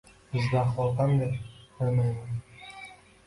Bizda ahvol qanday? Bilmayman